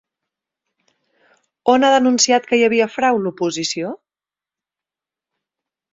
On ha denunciat que hi havia frau l'oposició?